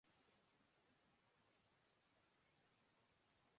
ادھر بت تو کم بنائےگئے مگر انہوں نے فوٹو بنا کر انکی پرستش البتہ خو ب کی